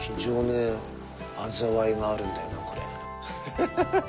ハハハハ。